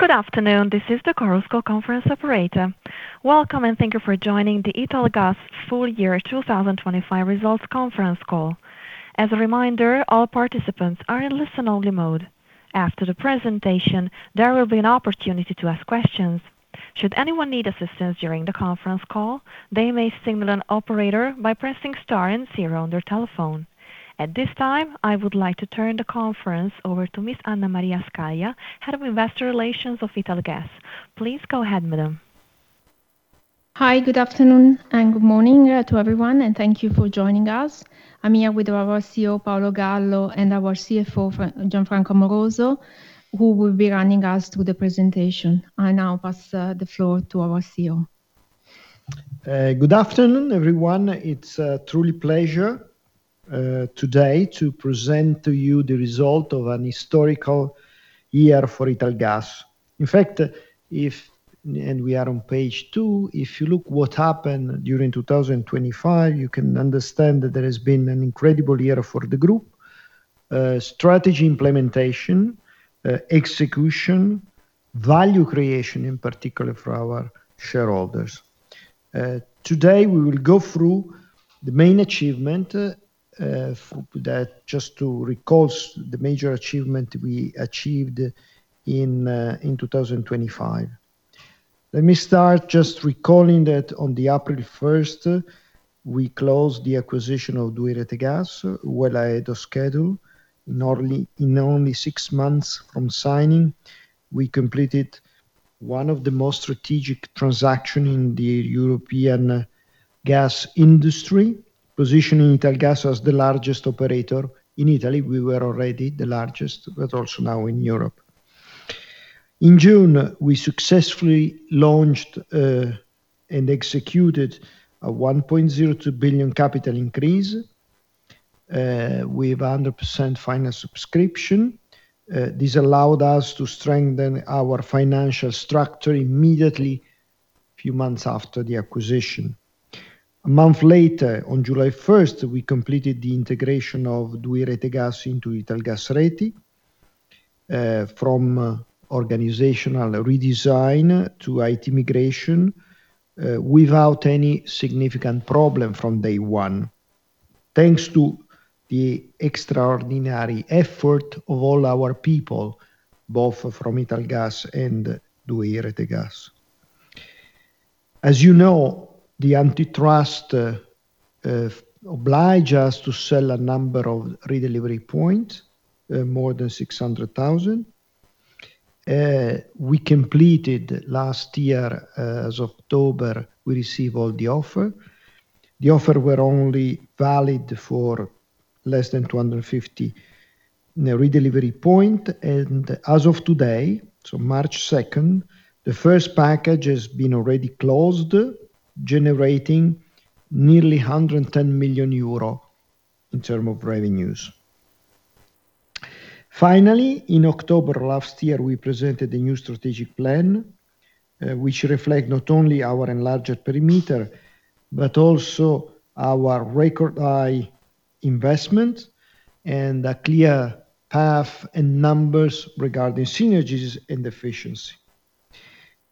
Good afternoon. This is the Chorus Call operator. Welcome, thank you for joining the Italgas Full Year 2025 Results Conference Call. As a reminder, all participants are in listen-only mode. After the presentation, there will be an opportunity to ask questions. Should anyone need assistance during the conference call, they may signal an operator by pressing star 0 on their telephone. At this time, I would like to turn the conference over to Ms. Anna Maria Scaglia, Head of Investor Relations of Italgas. Please go ahead, madam. Hi. Good afternoon and good morning to everyone, and thank you for joining us. I'm here with our CEO, Paolo Gallo, and our CFO, Gianfranco Amoroso, who will be running us through the presentation. I now pass the floor to our CEO. Good afternoon, everyone. It's a truly pleasure today to present to you the result of an historical year for Italgas. We are on page two. If you look what happened during 2025, you can understand that there has been an incredible year for the group. Strategy implementation, execution, value creation, in particular for our shareholders. Today we will go through the main achievement for that just to recall the major achievement we achieved in 2025. Let me start just recalling that on April 1st, we closed the acquisition of 2i Rete Gas well ahead of schedule. In only six months from signing, we completed one of the most strategic transaction in the European gas industry, positioning Italgas as the largest operator in Italy. We were already the largest, also now in Europe. In June, we successfully launched and executed a 1.02 billion capital increase with a 100% final subscription. This allowed us to strengthen our financial structure immediately, few months after the acquisition. A month later, on July 1st, we completed the integration of 2i Rete Gas into Italgas Reti, from organizational redesign to IT migration, without any significant problem from day one. Thanks to the extraordinary effort of all our people, both from Italgas and 2i Rete Gas. As you know, the antitrust oblige us to sell a number of redelivery point, more than 600,000. We completed last year, as of October, we received all the offer. The offer were only valid for less than 250 redelivery point. As of today, March 2nd, the first package has been already closed, generating nearly 110 million euro in terms of revenues. Finally, in October last year, we presented a new strategic plan, which reflect not only our enlarged perimeter, but also our record-high investment and a clear path and numbers regarding synergies and efficiency.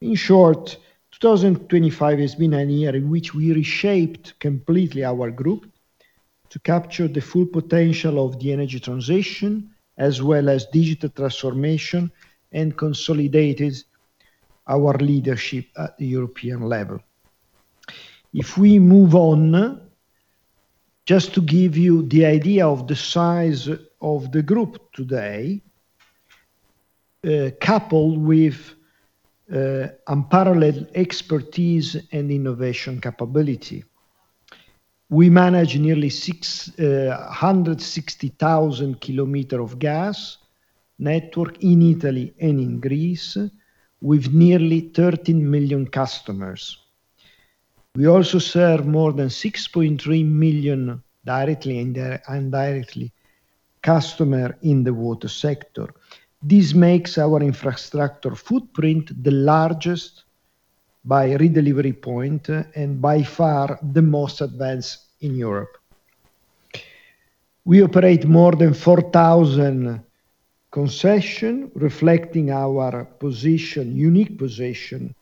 In short, 2025 has been a year in which we reshaped completely our group to capture the full potential of the energy transition as well as digital transformation and consolidated our leadership at the European level. If we move on, just to give you the idea of the size of the group today, coupled with unparalleled expertise and innovation capability. We manage nearly 660,000 km of gas network in Italy and in Greece, with nearly 13 million customers. We also serve more than 6.3 million, directly and indirectly, customer in the water sector. This makes our infrastructure footprint the largest by redelivery point and by far the most advanced in Europe. We operate more than 4,000 concession, reflecting our position, unique position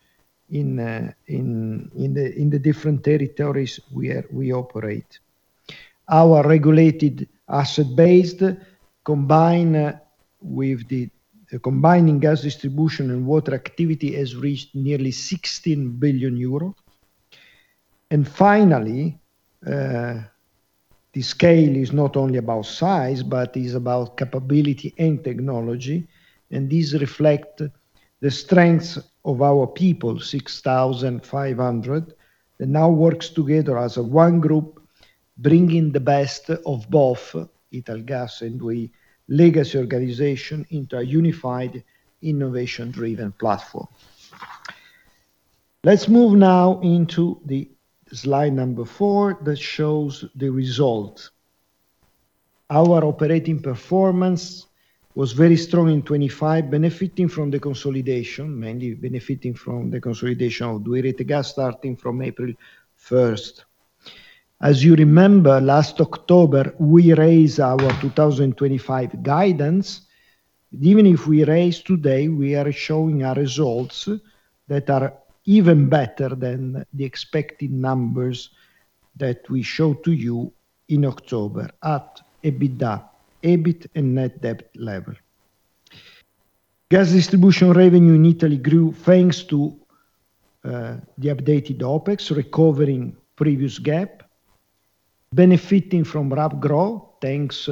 in the different territories we operate. Our regulated asset base Combining gas distribution and water activity has reached nearly 16 billion euro. And finally, the scale is not only about size, but is about capability and technology, and these reflect the strengths of our people, 6,500, that now works together as a one group, bringing the best of both Italgas and we legacy organization into a unified, innovation-driven platform. Let's move now into the slide four that shows the result. Our operating performance was very strong in 2025, benefiting from the consolidation, mainly benefiting from the consolidation of 2i Rete Gas starting from April 1st. As you remember, last October, we raised our 2025 guidance. Even if we raise today, we are showing our results that are even better than the expected numbers that we showed to you in October at EBITDA, EBIT, and net debt level. Gas distribution revenue in Italy grew, thanks to the updated OpEx, recovering previous gap, benefiting from RAB grow, thanks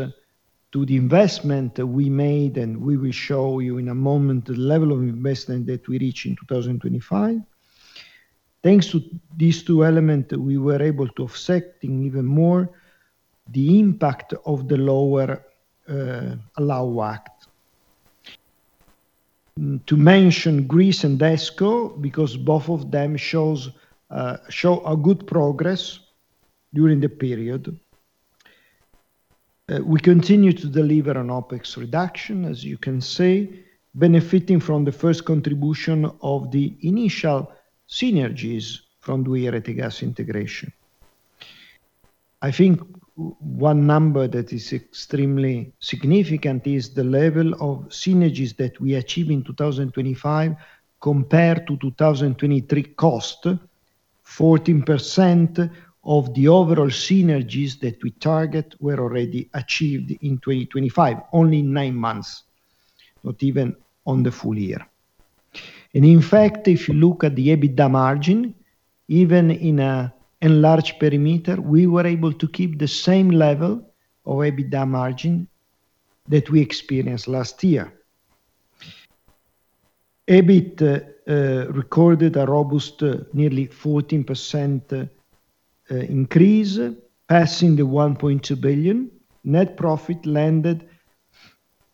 to the investment that we made, and we will show you in a moment the level of investment that we reach in 2025. Thanks to these two element, we were able to offsetting even more the impact of the lower allowed WACC. To mention Greece and DESFA, because both of them show a good progress during the period. We continue to deliver an OpEx reduction, as you can see, benefiting from the first contribution of the initial synergies from Duferco Gas integration. I think one number that is extremely significant is the level of synergies that we achieve in 2025 compared to 2023 cost. 14% of the overall synergies that we target were already achieved in 2025, only nine months, not even on the full year. In fact, if you look at the EBITDA margin, even in an enlarged perimeter, we were able to keep the same level of EBITDA margin that we experienced last year. EBIT recorded a robust nearly 14% increase, passing the 1.2 billion. Net profit landed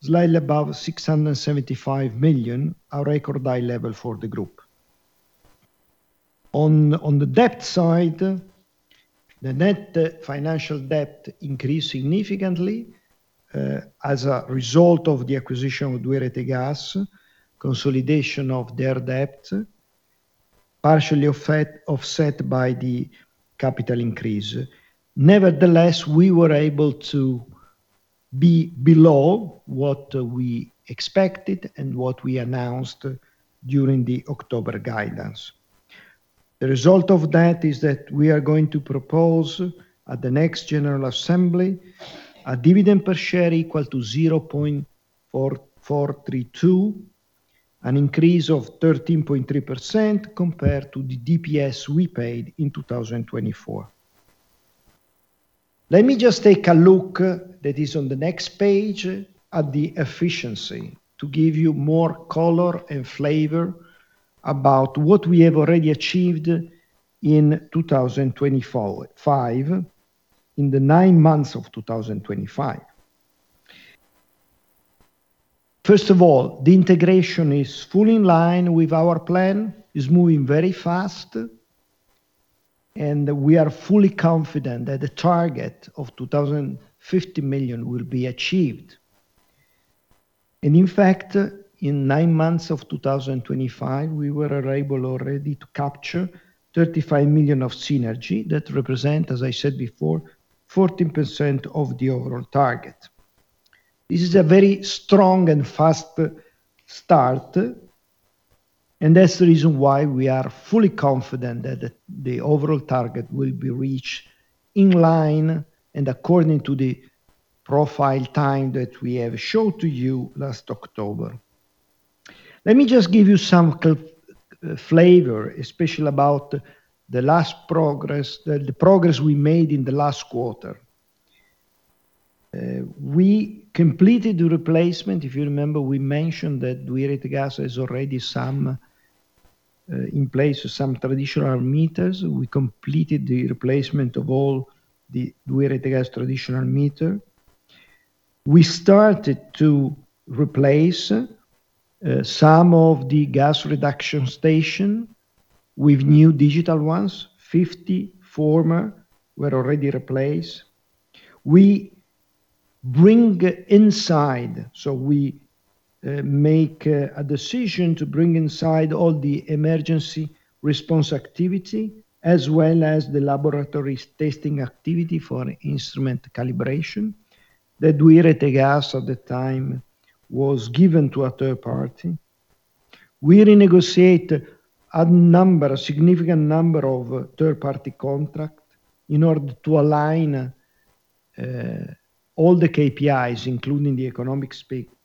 slightly above 675 million, a record high level for the group. On the debt side, the net financial debt increased significantly as a result of the acquisition of Duferco Gas, consolidation of their debt, partially offset by the capital increase. Nevertheless, we were able to be below what we expected and what we announced during the October guidance. The result of that is that we are going to propose at the next general assembly a dividend per share equal to 0.4432, an increase of 13.3% compared to the DPS we paid in 2024. Let me just take a look that is on the next page at the efficiency to give you more color and flavor about what we have already achieved in 2024- 2025, in the nine months of 2025. First of all, the integration is fully in line with our plan, is moving very fast, and we are fully confident that the target of 2,050 million will be achieved. In fact, in nine months of 2025, we were able already to capture 35 million of synergy. That represent, as I said before, 14% of the overall target. This is a very strong and fast start, and that's the reason why we are fully confident that the overall target will be reached in line and according to the profile time that we have showed to you last October. Let me just give you some flavor, especially about the last progress, the progress we made in the last quarter. We completed the replacement. If you remember, we mentioned that Duferco Gas has already some in place some traditional meters. We completed the replacement of all the Duferco Gas traditional meter. We started to replace some of the gas reduction station with new digital ones. 50 former were already replaced. We make a decision to bring inside all the emergency response activity as well as the laboratory's testing activity for instrument calibration that Duferco Gas at the time was given to a third party. We renegotiate a number, a significant number of third-party contract in order to align all the KPIs, including the economic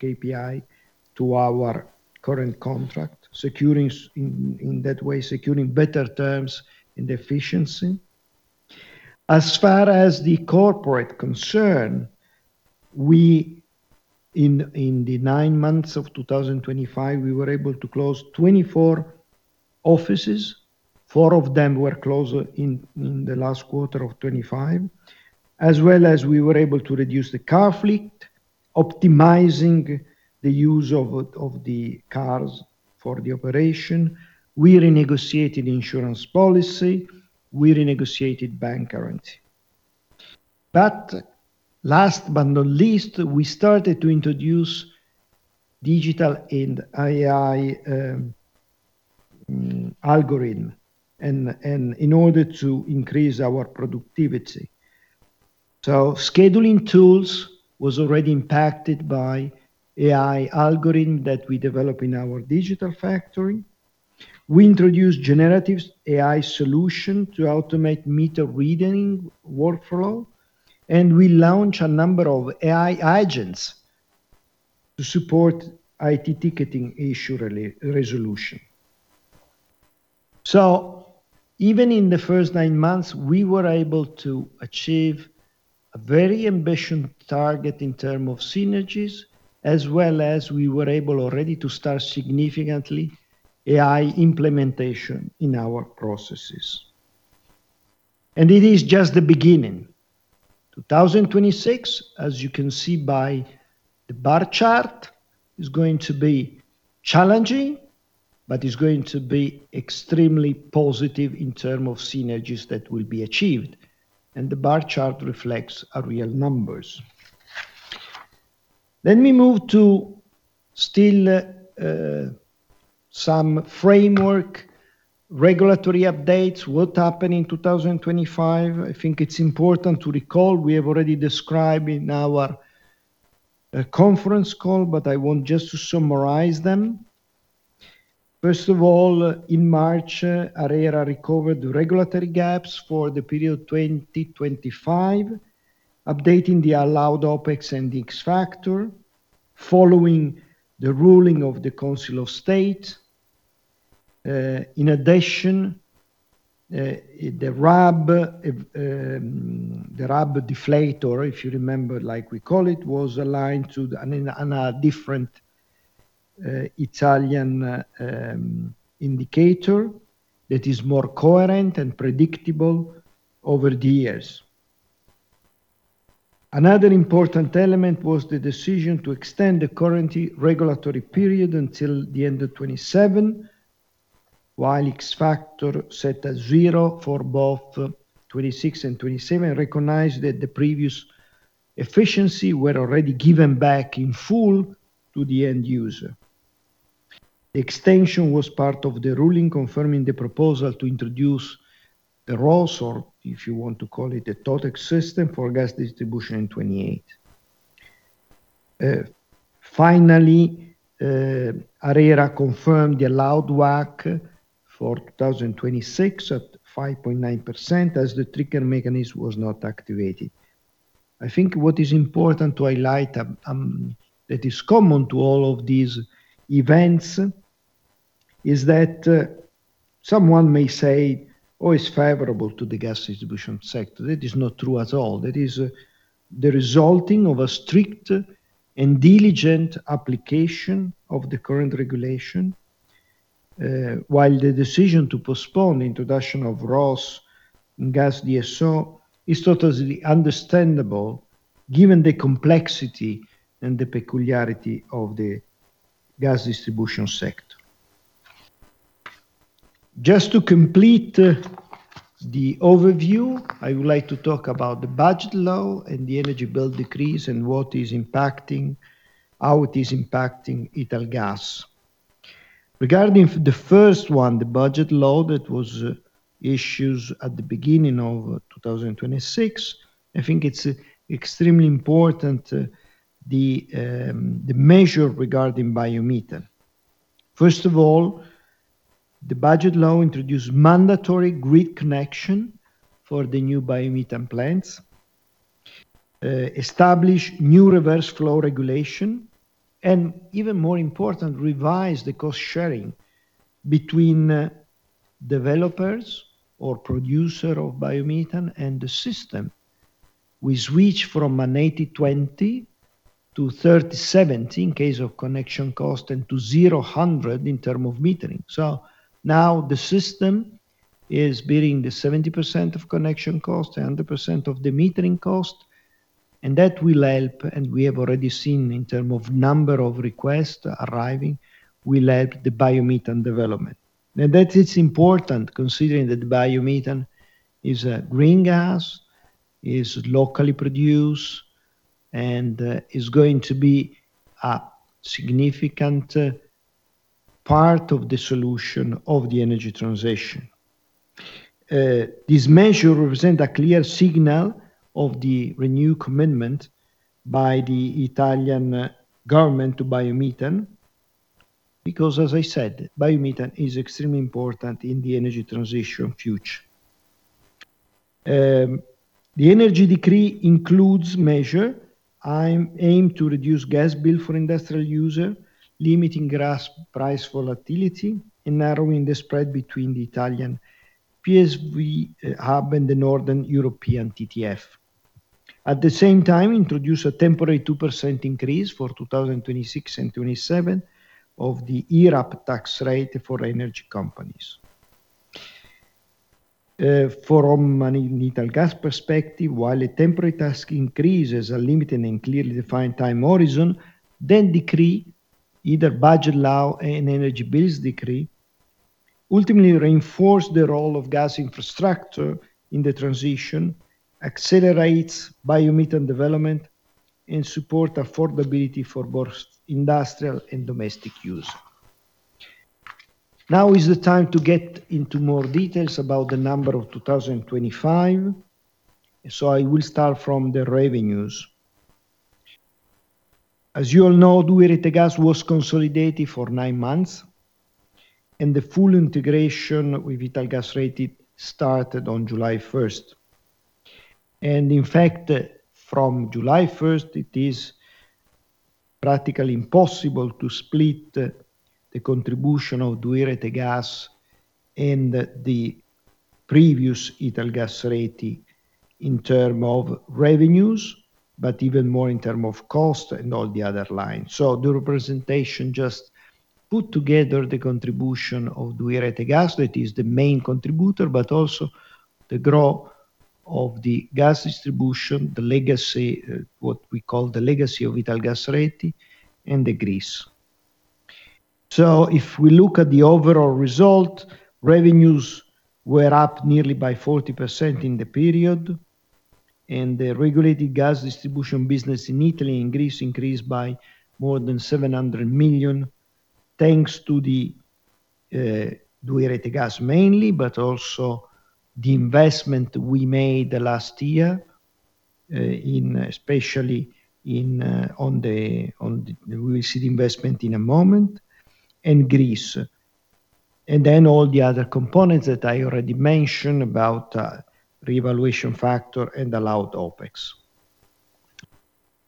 KPI, to our current contract, securing in that way, securing better terms and efficiency. As far as the corporate concern, in the nine months of 2025, we were able to close 24 offices. Four of them were closed in the last quarter of 2025, as well as we were able to reduce the car fleet, optimizing the use of the cars for the operation. We renegotiated insurance policy. We renegotiated bank guarantee. Last but not least, we started to introduce digital and AI algorithm and in order to increase our productivity. Scheduling tools was already impacted by AI algorithm that we develop in our Digital Factory. We introduce generative AI solution to automate meter reading workflow, and we launch a number of AI agents to support IT ticketing issue re-resolution. Even in the first nine months, we were able to achieve a very ambitious target in term of synergies, as well as we were able already to start significantly AI implementation in our processes. It is just the beginning. 2026, as you can see by the bar chart, is going to be challenging, but is going to be extremely positive in term of synergies that will be achieved, and the bar chart reflects our real numbers. Let me move to still, some framework, regulatory updates, what happened in 2025. I think it's important to recall, we have already described in our conference call, but I want just to summarize them. First of all, in March, ARERA recovered the regulatory gaps for the period 2025, updating the allowed OpEx and the X-factor following the ruling of the Council of State. In addition, the RAB, the RAB deflator, if you remember, like we call it, was aligned to a different Italian indicator that is more coherent and predictable over the years. Another important element was the decision to extend the current regulatory period until the end of 2027, while X-factor set at zero for both 2026 and 2027 recognized that the previous efficiency were already given back in full to the end user. The extension was part of the ruling confirming the proposal to introduce the ROSS, or if you want to call it, a TOTEX system for gas distribution in 2028. Finally, ARERA confirmed the allowed WACC for 2026 at 5.9% as the trigger mechanism was not activated. I think what is important to highlight, that is common to all of these events is that someone may say, "Oh, it's favorable to the gas distribution sector." That is not true at all. That is the resulting of a strict and diligent application of the current regulation. While the decision to postpone the introduction of ROSS Gas DSO is totally understandable given the complexity and the peculiarity of the gas distribution sector. Just to complete the overview, I would like to talk about the Budget Law and the Energy Bill decrees and how it is impacting Italgas. Regarding the first one, the Budget Law that was issued at the beginning of 2026, I think it's extremely important the measure regarding biomethane. First of all, the Budget Law introduced mandatory grid connection for the new biomethane plants, establish new reverse flow regulation. Even more important, revise the cost-sharing between developers or producer of biomethane and the system. We switch from an 80/20 to 30/70 in case of connection cost and to 0/100 in term of metering. The system is bearing the 70% of connection cost, 100% of the metering cost, and that will help, and we have already seen in term of number of requests arriving, will help the biomethane development. That is important considering that biomethane is a green gas, is locally produced, and is going to be a significant part of the solution of the energy transition. This measure represent a clear signal of the renewed commitment by the Italian government to biomethane because, as I said, biomethane is extremely important in the energy transition future. The Energy Decree includes measure aimed to reduce gas bill for industrial user, limiting gas price volatility, and narrowing the spread between the Italian PSV hub and the northern European TTF. At the same time, introduce a temporary 2% increase for 2026 and 2027 of the IRAP tax rate for energy companies. From an Italgas perspective, while a temporary tax increase has a limited and clearly defined time horizon, decree, either Budget Law and Energy Bill Decree, ultimately reinforce the role of gas infrastructure in the transition, accelerates biomethane development. Support affordability for both industrial and domestic use. Now is the time to get into more details about the number of 2025. I will start from the revenues. As you all know, Duferco Gas was consolidated for nine months, and the full integration with Italgas Reti started on July 1st. In fact, from July 1st, it is practically impossible to split the contribution of Duferco Gas and the previous Italgas Reti in term of revenues, but even more in term of cost and all the other lines. The representation just put together the contribution of Duferco Gas. That is the main contributor, but also the growth of the gas distribution, what we call the legacy of Italgas Reti and the Greece. If we look at the overall result, revenues were up nearly by 40% in the period, and the regulated gas distribution business in Italy increased by more than 700 million, thanks to the Duferco Gas mainly, but also the investment we made last year in especially in on the. We will see the investment in a moment. Greece. All the other components that I already mentioned about revaluation factor and allowed OpEx.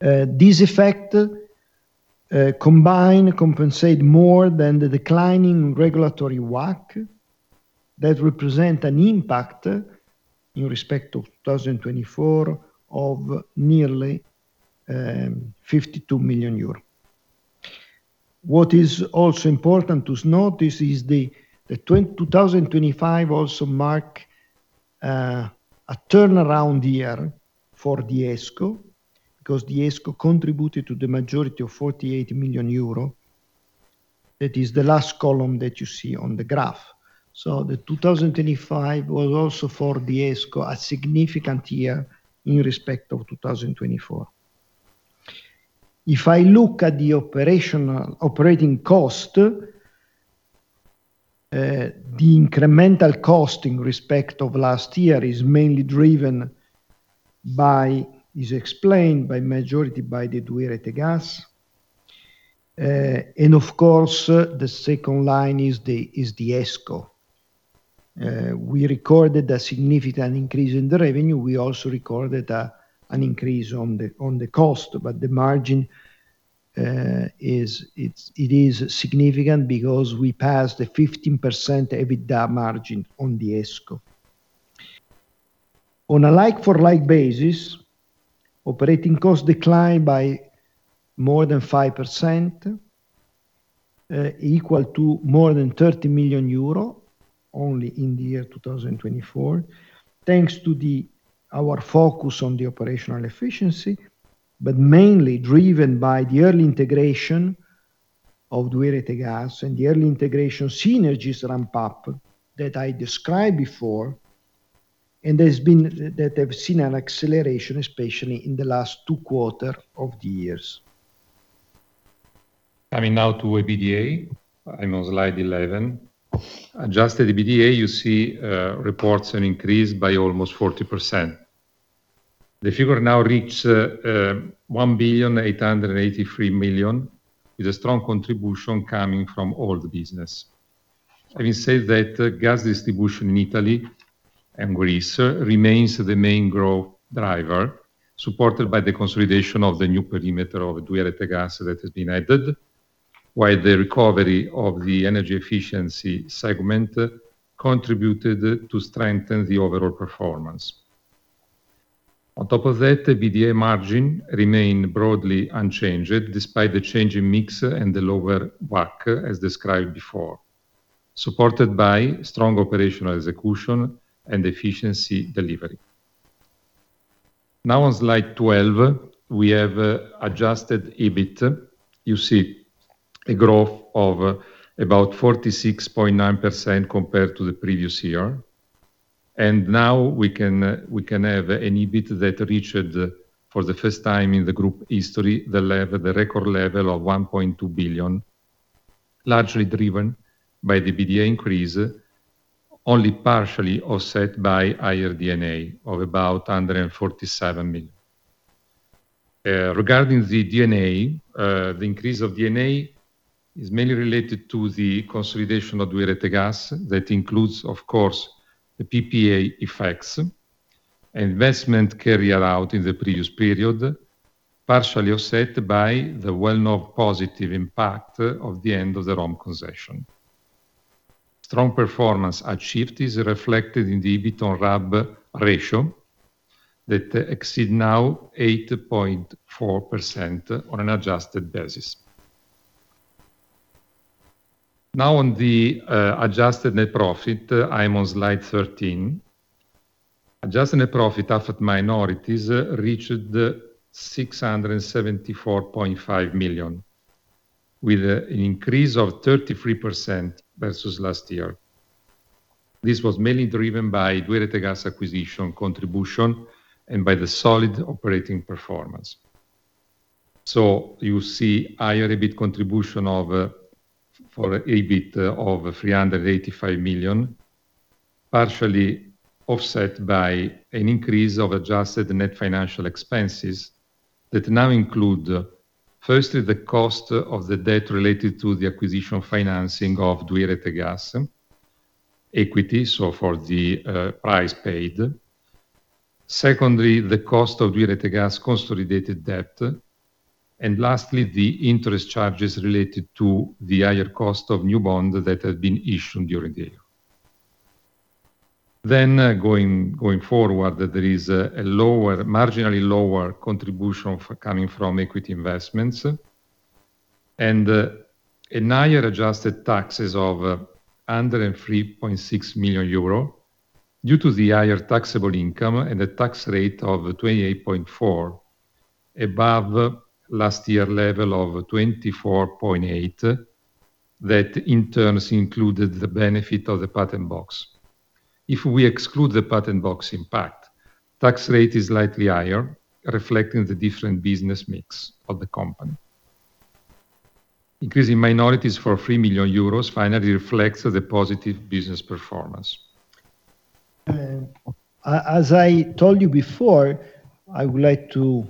This effect combine, compensate more than the declining regulatory WACC that represent an impact in respect to 2024 of nearly 52 million euros. What is also important to notice is the twin 2025 also mark a turnaround year for the ESCO because the ESCO contributed to the majority of 48 million euro. That is the last column that you see on the graph. The 2025 was also for the ESCO, a significant year in respect of 2024. If I look at the operational operating cost, the incremental cost in respect of last year is explained by majority by the Duferco Gas. Of course, the second line is the ESCO. We recorded a significant increase in the revenue. We also recorded an increase on the cost, but the margin is significant because we passed the 15% EBITDA margin on the ESCO. On a like-for-like basis, operating costs declined by more than 5%, equal to more than 30 million euro only in 2024, thanks to our focus on the operational efficiency, but mainly driven by the early integration of Duferco Gas and the early integration synergies ramp-up that I described before. There's been that have seen an acceleration, especially in the last two quarters of the years. Coming now to EBITDA. I'm on slide 11. Adjusted EBITDA, you see, reports an increase by almost 40%. The figure now reach 1.883 billion, with a strong contribution coming from all the business. Having said that, gas distribution in Italy and Greece remains the main growth driver, supported by the consolidation of the new perimeter of Duferco Gas that has been added, while the recovery of the energy efficiency segment contributed to strengthen the overall performance. On top of that, EBITDA margin remained broadly unchanged despite the change in mix and the lower WACC, as described before, supported by strong operational execution and efficiency delivery. Now on slide 12, we have Adjusted EBITDA. You see a growth of about 46.9% compared to the previous year. Now we can have an EBIT that reached for the first time in the group history, the record level of 1.2 billion, largely driven by the EBITDA increase, only partially offset by higher D&A of about 147 million. Regarding the D&A, the increase of D&A is mainly related to the consolidation of Duferco Energia. That includes, of course, the PPA effects and investment carried out in the previous period, partially offset by the well-known positive impact of the end of the Rome concession. Strong performance achieved is reflected in the EBIT/RAB ratio that exceed now 8.4% on an adjusted basis. On the adjusted net profit, I'm on slide 13. Adjusted net profit after minorities reached 674.5 million, with an increase of 33% versus last year. This was mainly driven by Duferco Gas acquisition contribution and by the solid operating performance. You see higher EBIT contribution for EBIT of 385 million, partially offset by an increase of adjusted net financial expenses that now include, firstly, the cost of the debt related to the acquisition financing of Duferco Gas equity, so for the price paid. Secondly, the cost of Duferco Gas consolidated debt. Lastly, the interest charges related to the higher cost of new bond that had been issued during the year. Going forward, there is a lower, marginally lower contribution coming from equity investments and higher adjusted taxes of 103.6 million euro due to the higher taxable income and a tax rate of 28.4%, above last year level of 24.8% that in turn included the benefit of the patent box. If we exclude the patent box impact, tax rate is slightly higher, reflecting the different business mix of the company. Increase in minorities for 3 million euros finally reflects the positive business performance. As I told you before, I would like to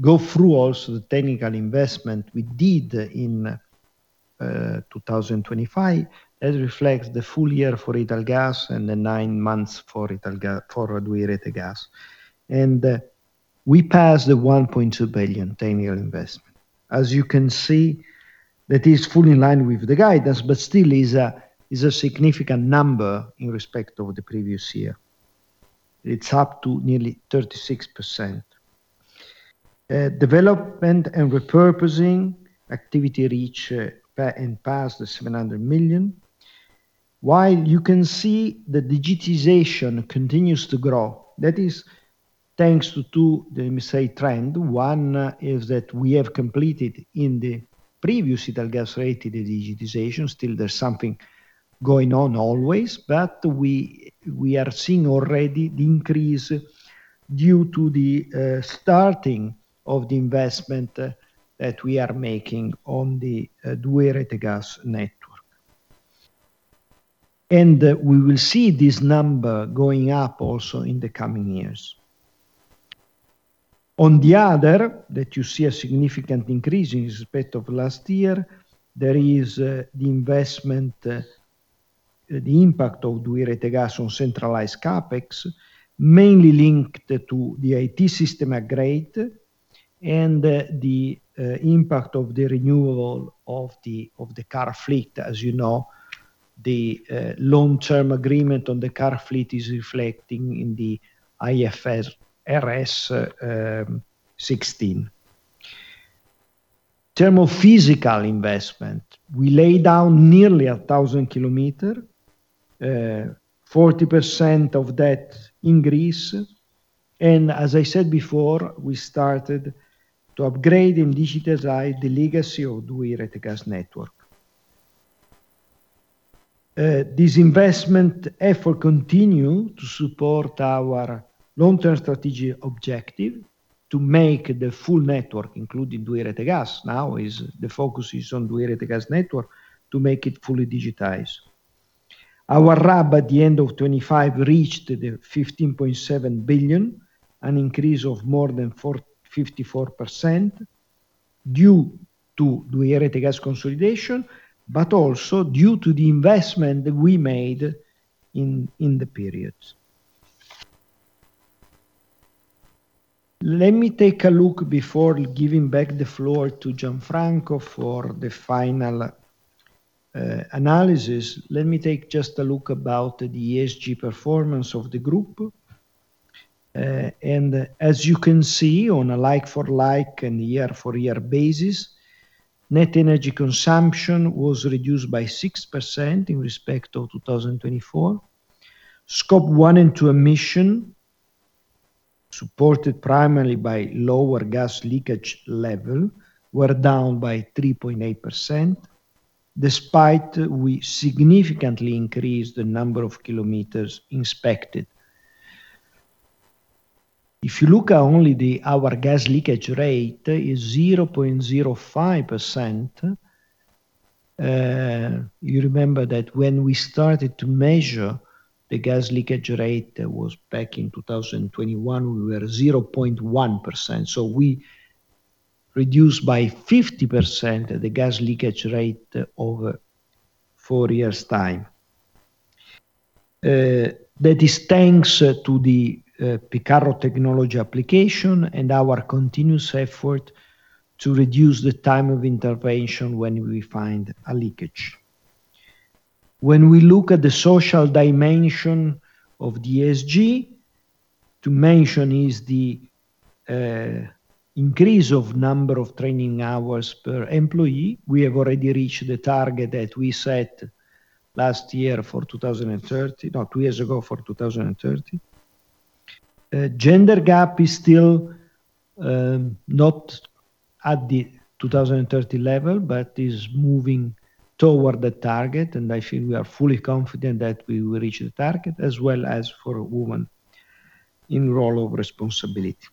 go through also the technical investment we did in 2025 that reflects the full year for Italgas and the nine months for Duferco Gas. We passed the 1.2 billion 10-year investment. As you can see, that is fully in line with the guidance, but still is a significant number in respect of the previous year. It's up to nearly 36%. Development and repurposing activity reach and pass the 700 million. While you can see the digitization continues to grow, that is thanks to two, let me say, trend. One is that we have completed in the previous Italgas Reti the digitization. Still there's something going on always, but we are seeing already the increase due to the starting of the investment that we are making on the Duferco Gas network. We will see this number going up also in the coming years. On the other, that you see a significant increase in respect of last year, there is the investment, the impact of Duferco Gas on centralized CapEx, mainly linked to the IT system upgrade and the impact of the renewal of the car fleet. As you know, the long-term agreement on the car fleet is reflecting in the IFRS 16. Thermophysical investment, we laid down nearly 1,000 km, 40% of that in Greece. As I said before, we started to upgrade and digitize the legacy of Duferco Gas network. This investment effort continue to support our long-term strategic objective to make the full network, including Duferco Gas, now is the focus is on Duferco Gas network to make it fully digitized. Our RAB at the end of 25 reached 15.7 billion, an increase of more than 54% due to Duferco Gas consolidation, also due to the investment we made in the periods. Let me take a look before giving back the floor to Gianfranco for the final analysis. Let me take just a look about the ESG performance of the group. As you can see on a like for like and year for year basis, net energy consumption was reduced by 6% in respect of 2024. Scope 1 and 2 emission, supported primarily by lower gas leakage level, were down by 3.8%, despite we significantly increased the number of kilometers inspected. If you look at only our gas leakage rate is 0.05%. You remember that when we started to measure the gas leakage rate was back in 2021, we were 0.1%. We reduced by 50% the gas leakage rate over four years' time. That is thanks to the Picarro technology application and our continuous effort to reduce the time of intervention when we find a leakage. We look at the social dimension of the ESG, to mention is the increase of number of training hours per employee. We have already reached the target that we set last year for 2030, no, two years ago for 2030. Gender gap is still not at the 2030 level, but is moving toward the target, and I feel we are fully confident that we will reach the target as well as for a woman in role of responsibility.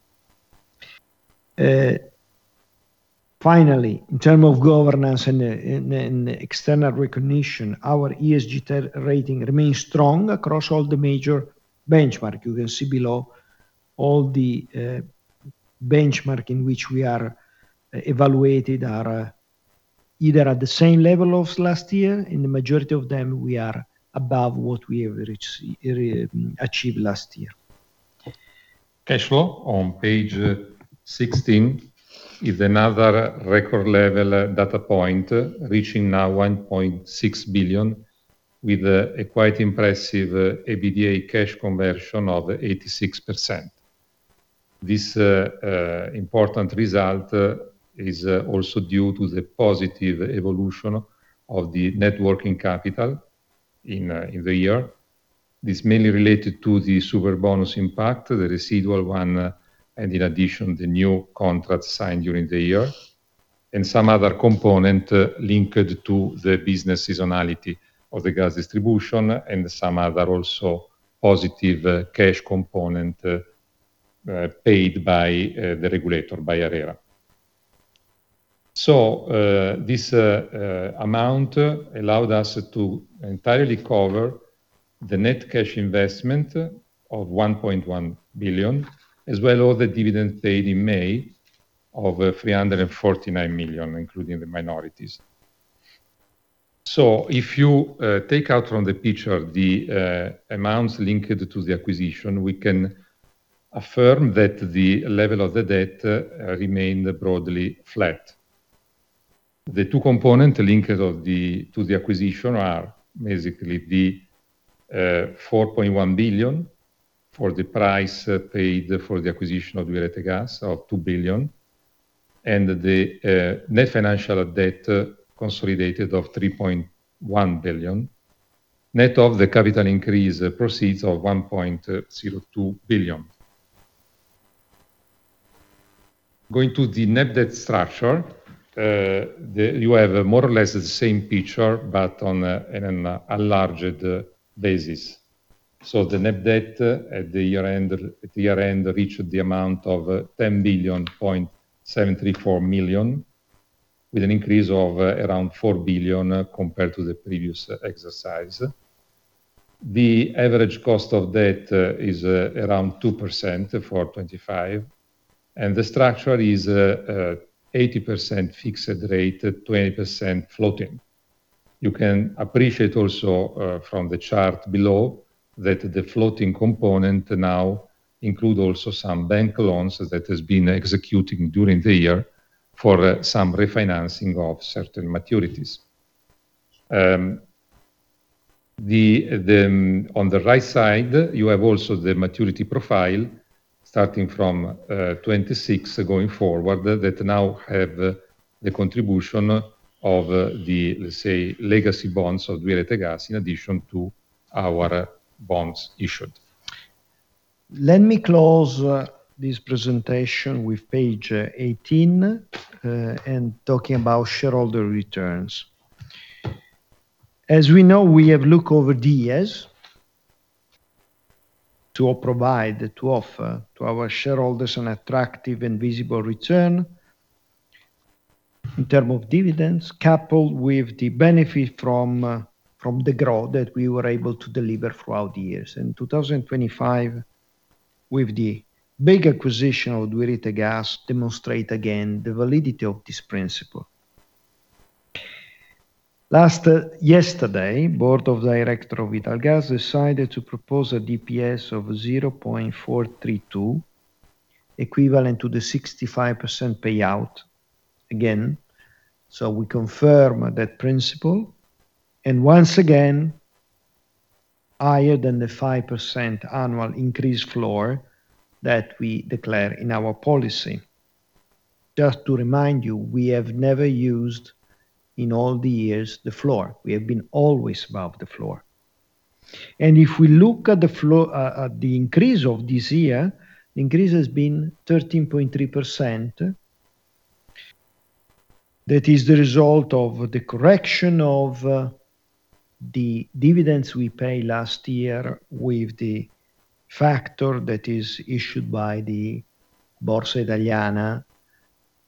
Finally, in term of governance and external recognition, our ESG rating remains strong across all the major benchmark. You can see below, all the benchmark in which we are evaluated are either at the same level of last year. In the majority of them, we are above what we have reached achieved last year. Cash flow on page 16 is another record level data point, reaching now 1.6 billion with a quite impressive EBITDA cash conversion of 86%. This important result is also due to the positive evolution of the net working capital in the year. This mainly related to the Superbonus impact, the residual one, and in addition, the new contract signed during the year, and some other component linked to the business seasonality of the gas distribution and some other also positive cash component paid by the regulator, by ARERA. This amount allowed us to entirely cover the net cash investment of 1.1 billion, as well as the dividend paid in May of 349 million, including the minorities. If you take out from the picture the amounts linked to the acquisition, we can affirm that the level of the debt remained broadly flat. The two component linked to the acquisition are basically the 4.1 billion for the price paid for the acquisition of Duferco Gas of 2 billion and the net financial debt consolidated of 3.1 billion, net of the capital increase proceeds of 1.02 billion. Going to the net debt structure, you have more or less the same picture, but on an enlarged basis. The net debt at the year-end reached the amount of 10.734 billion, with an increase of around 4 billion compared to the previous exercise. The average cost of debt is around 2% for 2025, and the structure is 80% fixed rate, 20% floating. You can appreciate also from the chart below that the floating component now include also some bank loans that has been executing during the year for some refinancing of certain maturities. On the right side, you have also the maturity profile starting from 2026 going forward that now have the contribution of the, let's say, legacy bonds of Duferco Gas in addition to our bonds issued. Let me close, this presentation with page 18, and talking about shareholder returns. As we know, we have looked over the years to provide, to offer to our shareholders an attractive and visible return in term of dividends, coupled with the benefit from the growth that we were able to deliver throughout the years. In 2025, with the big acquisition of Duferco Gas demonstrate again the validity of this principle. Last, yesterday, board of director of Italgas decided to propose a DPS of 0.432, equivalent to the 65% payout again. We confirm that principle, and once again, higher than the 5% annual increase floor that we declare in our policy. Just to remind you, we have never used in all the years the floor. We have been always above the floor. If we look at the floor, at the increase of this year, the increase has been 13.3%. That is the result of the correction of the dividends we paid last year with the factor that is issued by the Borsa Italiana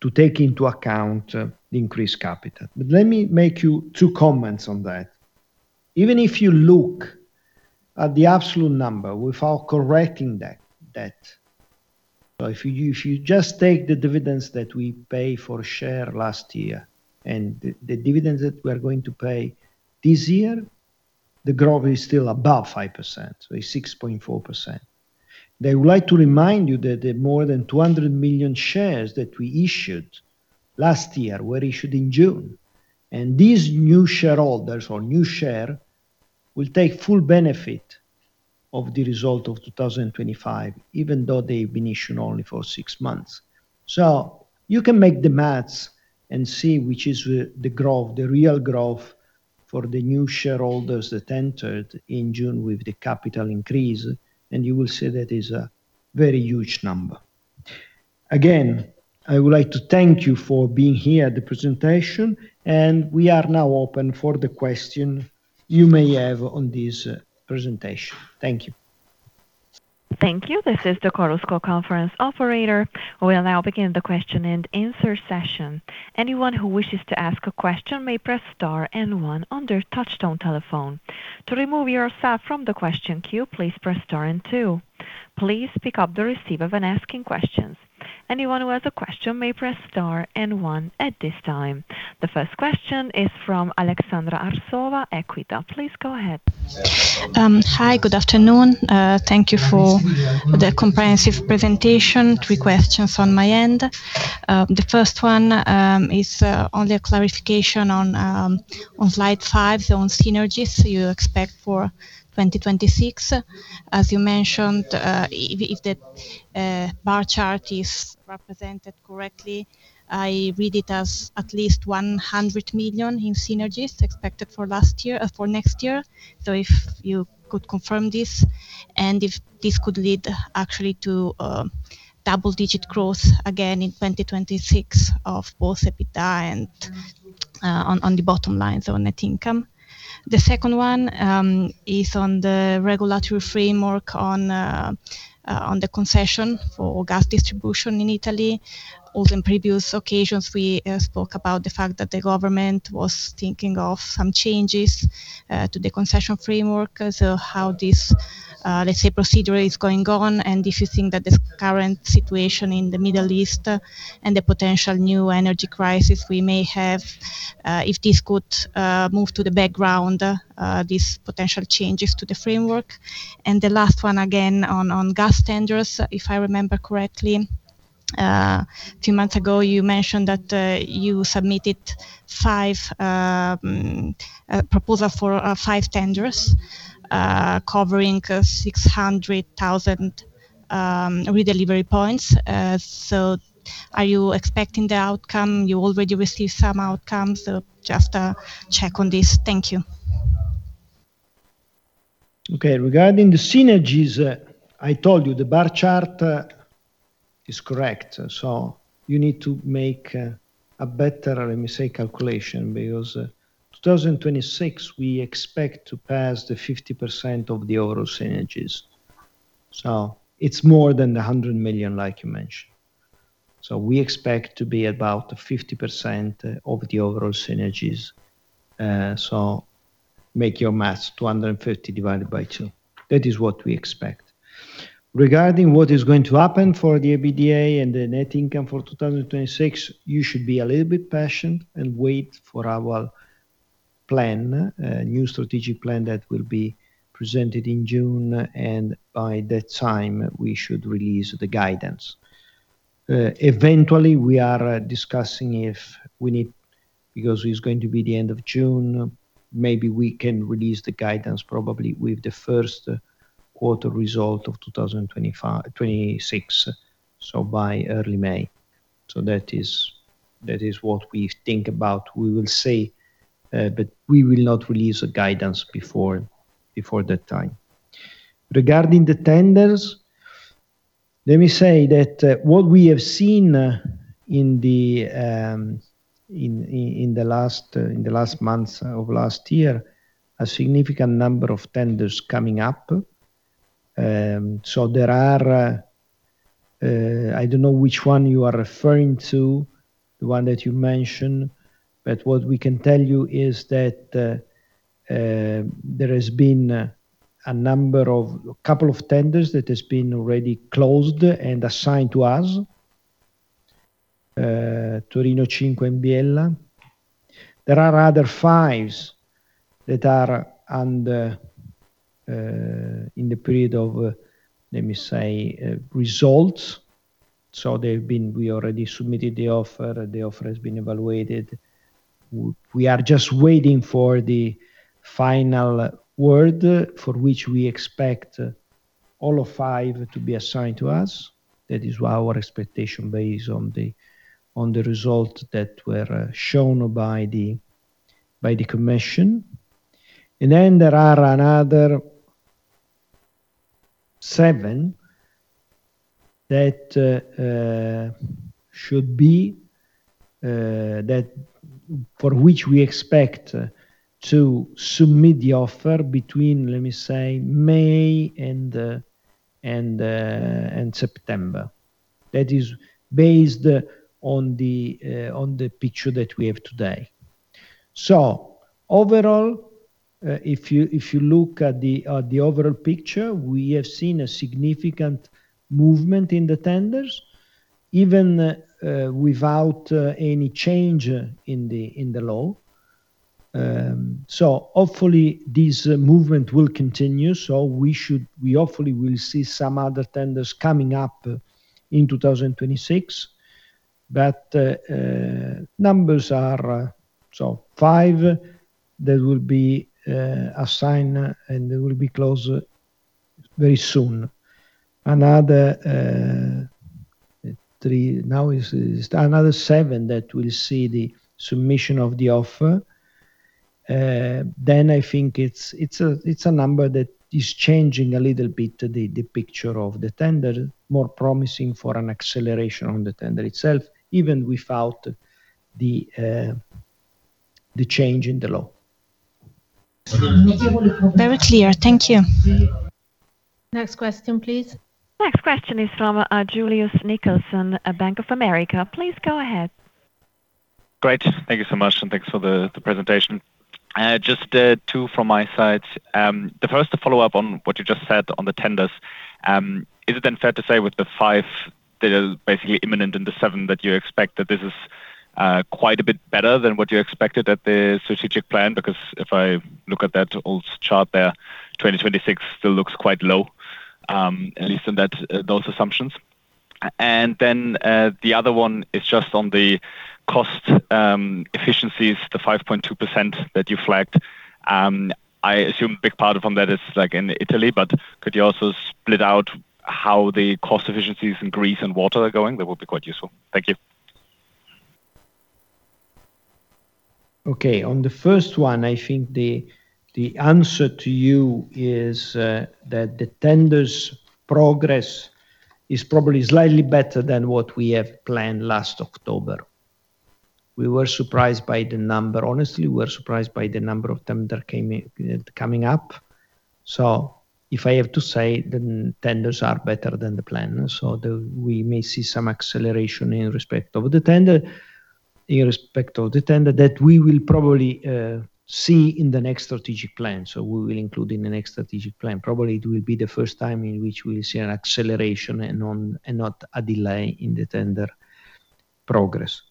to take into account the increased capital. Let me make you two comments on that. Even if you look at the absolute number without correcting that, if you just take the dividends that we pay for share last year and the dividends that we are going to pay this year, the growth is still above 5%. It's 6.4%. I would like to remind you that the more than 200 million shares that we issued last year were issued in June. These new shareholders or new share will take full benefit of the result of 2025, even though they've been issued only for six months. You can make the math and see which is the growth, the real growth. For the new shareholders that entered in June with the capital increase, you will see that is a very huge number. Again, I would like to thank you for being here at the presentation. We are now open for the question you may have on this presentation. Thank you. Thank you. This is the Conference Operator. We will now begin the question and answer session. Anyone who wishes to ask a question may press star and one on their touch-tone telephone. To remove yourself from the question queue, please press star and two. Please pick up the receiver when asking questions. Anyone who has a question may press star and one at this time. The first question is from Alexandra Arsova, Equita. Please go ahead. Hi. Good afternoon. Thank you for the comprehensive presentation. Three questions on my end. The first one is on the clarification on slide 5 on synergies you expect for 2026. As you mentioned, if the bar chart is represented correctly, I read it as at least 100 million in synergies expected for last year... For next year. If you could confirm this and if this could lead actually to double-digit growth again in 2026 of both EBITDA and on the bottom line, so net income. The second one is on the regulatory framework on the concession for gas distribution in Italy. Also, in previous occasions, we spoke about the fact that the government was thinking of some changes to the concession framework. How this, let's say, procedure is going on, and if you think that the current situation in the Middle East and the potential new energy crisis we may have, if this could move to the background, these potential changes to the framework? The last one again on gas tenders. If I remember correctly, few months ago, you mentioned that you submitted five proposal for five tenders, covering 600,000 redelivery points. Are you expecting the outcome? You already received some outcomes, so just a check on this. Thank you. Okay. Regarding the synergies, I told you the bar chart is correct. You need to make a better, let me say, calculation because 2026, we expect to pass the 50% of the overall synergies. It's more than the 100 million like you mentioned. We expect to be about 50% of the overall synergies. Make your math 250 divided by two. That is what we expect. Regarding what is going to happen for the EBITDA and the net income for 2026, you should be a little bit patient and wait for our plan, new strategic plan that will be presented in June, and by that time, we should release the guidance. Eventually, we are discussing if we need, because it's going to be the end of June, maybe we can release the guidance probably with the first quarter result of 2026, by early May. That is what we think about. We will see, but we will not release a guidance before that time. Regarding the tenders, let me say that what we have seen in the last months of last year, a significant number of tenders coming up. There are, I don't know which one you are referring to, the one that you mentioned, but what we can tell you is that there has been a number of couple of tenders that has been already closed and assigned to us, Torino Cinque and Biella. There are other fives that are under in the period of, let me say, results. They've been. We already submitted the offer. The offer has been evaluated. We are just waiting for the final word for which we expect all of five to be assigned to us. That is our expectation based on the results that were shown by the commission. Then there are another seven that should be that for which we expect to submit the offer between, let me say, May and September. That is based on the picture that we have today. Overall, if you, if you look at the overall picture, we have seen a significant movement in the tenders, even without any change in the law. Hopefully, this movement will continue. We hopefully will see some other tenders coming up in 2026. Numbers are so five that will be assigned and that will be closed very soon. Another three, now is another seven that will see the submission of the offer. I think it's a, it's a number that is changing a little bit the picture of the tender, more promising for an acceleration on the tender itself, even without the change in the law. Very clear. Thank you. Next question, please. Next question is from Julius Nickelsen at Bank of America. Please go ahead. Great. Thank you so much. Thanks for the presentation. Just two from my side. The first to follow up on what you just said on the tenders. Is it then fair to say with the five that are basically imminent and the seven that you expect that this is quite a bit better than what you expected at the strategic plan? Because if I look at that old chart there, 2026 still looks quite low, at least in those assumptions. The other one is just on the cost efficiencies, the 5.2% that you flagged. I assume a big part of them that is like in Italy, but could you also split out how the cost efficiencies in Greece and water are going? That would be quite useful. Thank you. Okay. On the first one, I think the answer to you is that the tenders progress is probably slightly better than what we have planned last October. We were surprised by the number. Honestly, we were surprised by the number of tender coming up. If I have to say, the tenders are better than the plan. We may see some acceleration in respect of the tender that we will probably see in the next strategic plan. We will include in the next strategic plan. Probably, it will be the first time in which we see an acceleration and not a delay in the tender progress.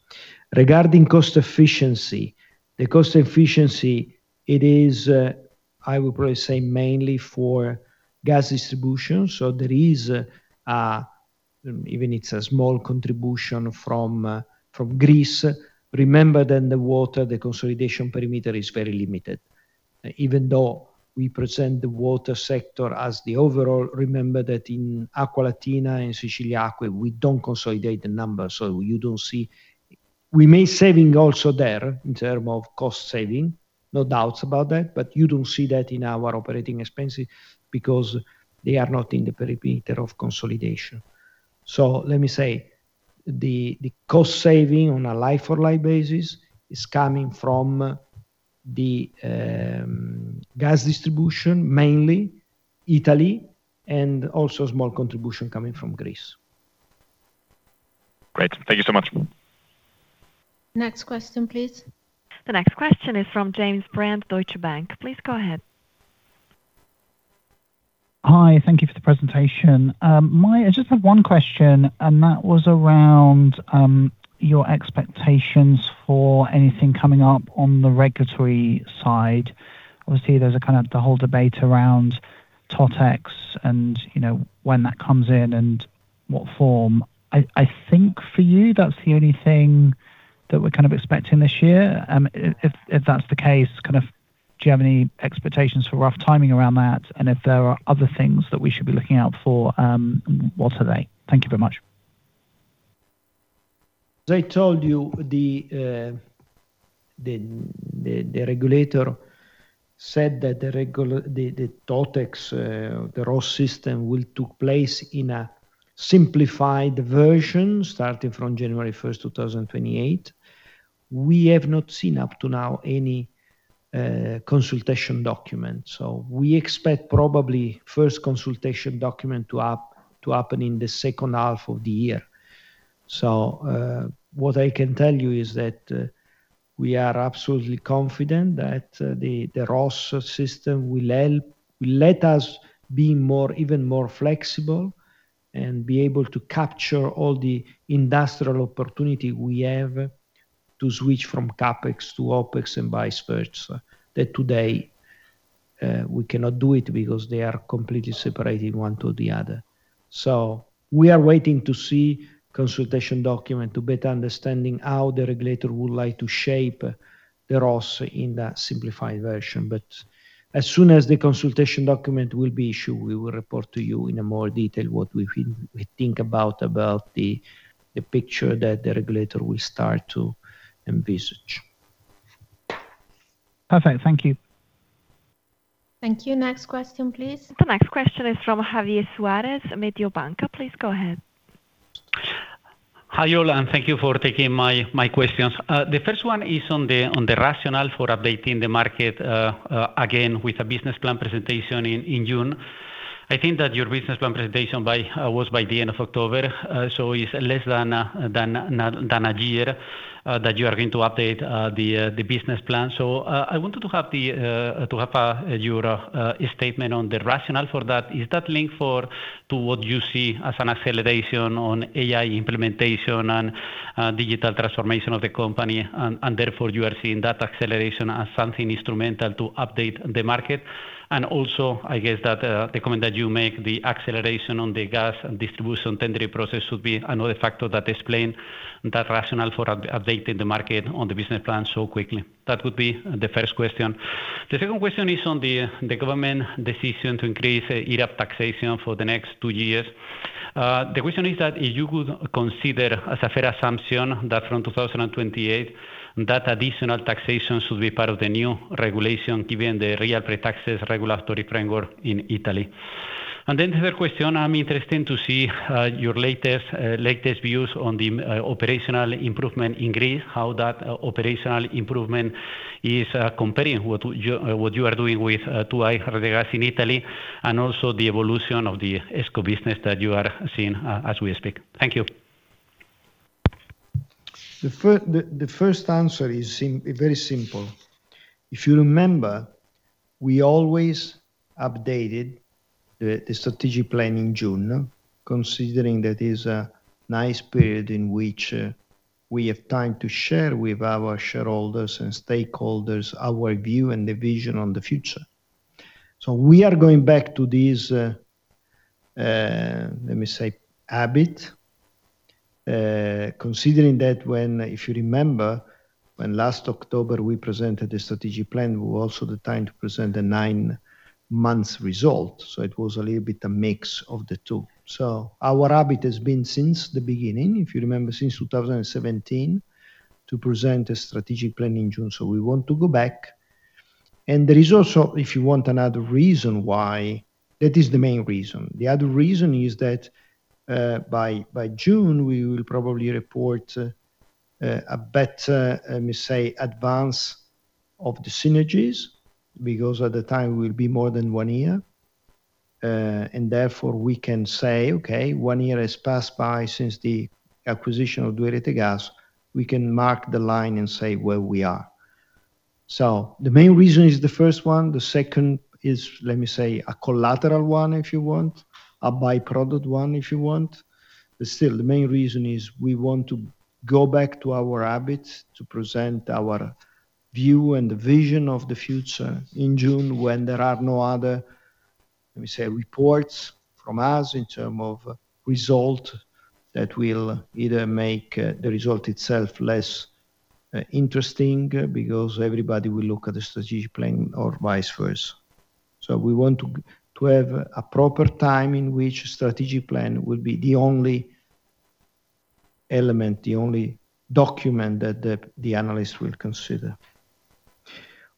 Regarding cost efficiency. The cost efficiency, it is, I would probably say mainly for gas distribution. There is, even it's a small contribution from Greece. Remember then the water, the consolidation perimeter is very limited. Even though we present the water sector as the overall, remember that in Acqualatina and Siciliacque, we don't consolidate the numbers. You don't see. We make saving also there in term of cost saving, no doubts about that, but you don't see that in our operating expenses because they are not in the perimeter of consolidation. Let me say, the cost saving on a like-for-like basis is coming from the gas distribution, mainly Italy, and also small contribution coming from Greece. Great. Thank you so much. Next question, please. The next question is from James Brand, Deutsche Bank. Please go ahead. Hi. Thank you for the presentation. I just have one question. That was around your expectations for anything coming up on the regulatory side. Obviously, there's the whole debate around TOTEX and, you know, when that comes in and what form. I think for you, that's the only thing that we're expecting this year. If that's the case, do you have any expectations for rough timing around that? If there are other things that we should be looking out for, what are they? Thank you very much. As I told you, the regulator said that the TOTEX, the RAB system will took place in a simplified version starting from January 1st, 2028. We have not seen up to now any consultation document. We expect probably first consultation document to happen in the second half of the year. What I can tell you is that we are absolutely confident that the RAB system will help, will let us be more, even more flexible and be able to capture all the industrial opportunity we have to switch from CapEx to OpEx and vice versa. That today, we cannot do it because they are completely separated one to the other. We are waiting to see consultation document to better understanding how the regulator would like to shape the RAB in that simplified version. As soon as the consultation document will be issued, we will report to you in a more detail what we think about the picture that the regulator will start to envisage. Perfect. Thank you. Thank you. Next question, please. The next question is from Javier Suarez, Mediobanca. Please go ahead. Hi, all, thank you for taking my questions. The first one is on the rationale for updating the market again with a business plan presentation in June. I think that your business plan presentation was by the end of October, so it's less than a year that you are going to update the business plan. I wanted to have your statement on the rationale for that. Is that linked to what you see as an acceleration on AI implementation and digital transformation of the company and therefore you are seeing that acceleration as something instrumental to update the market? Also, I guess that the comment that you make, the acceleration on the gas and distribution tendering process would be another factor that explain that rationale for up-updating the market on the business plan so quickly. That would be the first question. The second question is on the government decision to increase IRAP taxation for the next two years. The question is that if you could consider as a fair assumption that from 2028 that additional taxation should be part of the new regulation given the real pre-taxes regulatory framework in Italy. The third question, I'm interested to see your latest views on the operational improvement in Greece, how that operational improvement is comparing what you are doing with in Italy and also the evolution of the ESCO business that you are seeing as we speak. Thank you. The first answer is very simple. If you remember, we always updated the strategic plan in June, considering that is a nice period in which we have time to share with our shareholders and stakeholders our view and the vision on the future. We are going back to this, let me say, habit, considering that If you remember, when last October we presented the strategic plan, it was also the time to present the nine months result, so it was a little bit a mix of the two. Our habit has been since the beginning, if you remember, since 2017, to present a strategic plan in June. We want to go back. The reason also, if you want another reason why, that is the main reason. The other reason is that, by June, we will probably report a better, let me say, advance of the synergies, because at the time it will be more than one year. Therefore, we can say, "Okay, one year has passed by since the acquisition of 2i Rete Gas. We can mark the line and say where we are." The main reason is the first one. The second is, let me say, a collateral one, if you want, a byproduct one, if you want. Still, the main reason is we want to go back to our habit to present our view and the vision of the future in June when there are no other, let me say, reports from us in term of result that will either make the result itself less interesting because everybody will look at the strategic plan or vice versa. We want to have a proper time in which strategic plan will be the only element, the only document that the analyst will consider.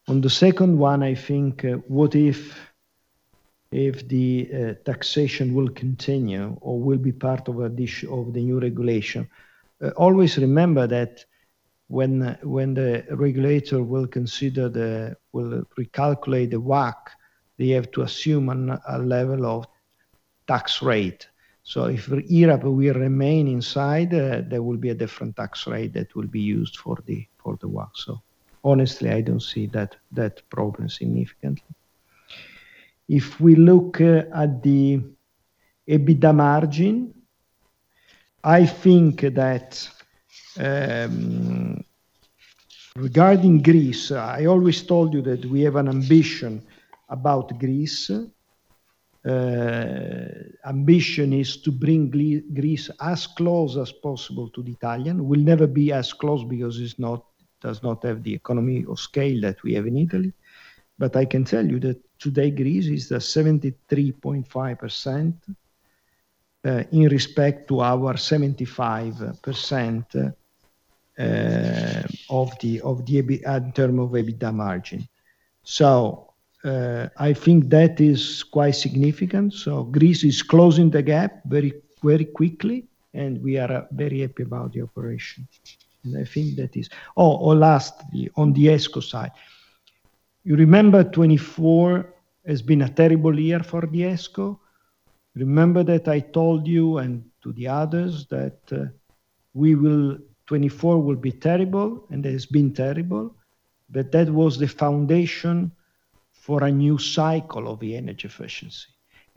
On the second one, I think, what if the taxation will continue or will be part of the new regulation? Always remember that when the regulator will recalculate the WACC, they have to assume a level of tax rate. If IRAP will remain inside, there will be a different tax rate that will be used for the WACC. Honestly, I don't see that problem significantly. If we look at the EBITDA margin, I think that regarding Greece, I always told you that we have an ambition about Greece. Ambition is to bring Greece as close as possible to the Italian. Will never be as close because it does not have the economy or scale that we have in Italy. I can tell you that today, Greece is at 73.5% in respect to our 75% in terms of EBITDA margin. I think that is quite significant. Greece is closing the gap very quickly, and we are very happy about the operation. I think that is... or last, on the ESCO side. You remember 2024 has been a terrible year for the ESCO. Remember that I told you and to the others that 2024 will be terrible, and it has been terrible, but that was the foundation for a new cycle of the energy efficiency.